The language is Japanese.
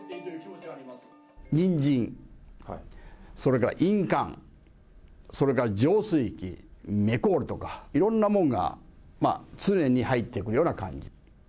人参、それから印鑑、それから浄水器、メッコールとか、いろんなもんが、常に入ってくるような感じ。